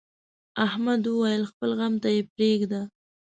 احمد وويل: خپل غم ته یې پرېږده.